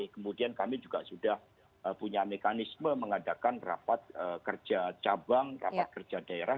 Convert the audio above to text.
kemudian kami juga sudah punya mekanisme mengadakan rapat kerja cabang rapat kerja daerah